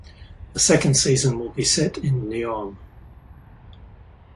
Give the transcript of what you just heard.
The second season will be set in Neom.